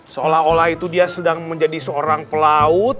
seolah olah itu dia sedang menjadi seorang pelaut